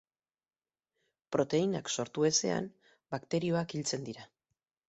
Proteinak sortu ezean, bakterioak hiltzen dira.